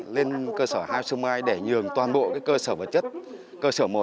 lên cơ sở house of mind để nhường toàn bộ cái cơ sở vật chất cơ sở một